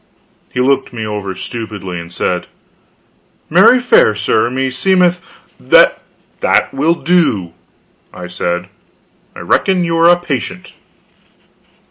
He looked me over stupidly, and said: "Marry, fair sir, me seemeth " "That will do," I said; "I reckon you are a patient."